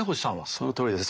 そのとおりです。